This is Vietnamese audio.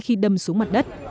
khi đâm xuống mặt đất